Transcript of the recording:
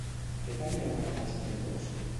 Què tenien amagat els traïdors?